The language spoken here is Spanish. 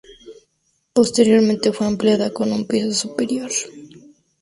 Posteriormente fue ampliada con un piso superior.